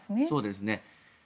そうですね。